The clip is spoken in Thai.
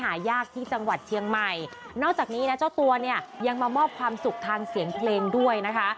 หายากที่จังหวัดเชียงใหม่นอกจากนี้นะเจ้าตัวเนี่ยยังมามอบความสุขทางเสียงเพลงด้วยนะคะ